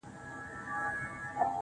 جواب را كړې.